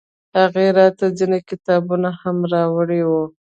هغه راته ځينې کتابونه هم راوړي وو.